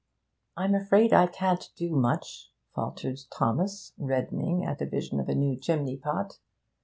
'I'm afraid I can't do much,' faltered Thomas, reddening at the vision of a new 'chimney pot.'